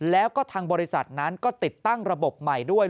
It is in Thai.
แล้วก็ทางบริษัทนั้นก็ติดตั้งระบบใหม่ด้วย